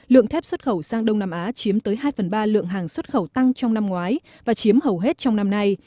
lượng thép xuất khẩu sang đông nam á chiếm tới hai phần ba lượng hàng xuất khẩu tăng trong năm ngoái và chiếm hầu hết trong năm nay